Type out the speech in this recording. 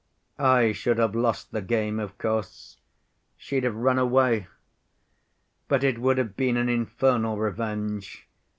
"I should have lost the game, of course. She'd have run away. But it would have been an infernal revenge.